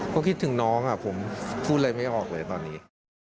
ก็คิดถึงน้องผมพูดอะไรไม่ออกเลยตอนนี้